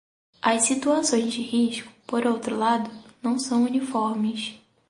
As situações de risco, por outro lado, não são uniformes.